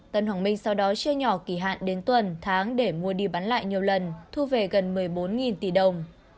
tân hoàng minh sau đó chia nhỏ kỳ hạn đến tuần tháng để mua đi bán lại nhiều lần thu về gần một mươi bốn tỷ đồng